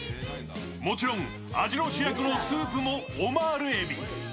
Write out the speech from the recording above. もちろん味の主役のスープもオマール海老。